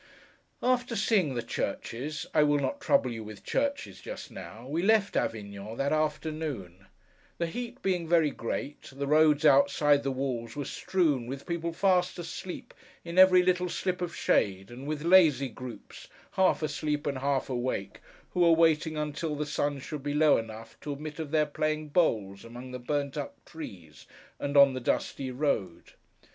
After seeing the churches (I will not trouble you with churches just now), we left Avignon that afternoon. The heat being very great, the roads outside the walls were strewn with people fast asleep in every little slip of shade, and with lazy groups, half asleep and half awake, who were waiting until the sun should be low enough to admit of their playing bowls among the burnt up trees, and on the dusty road.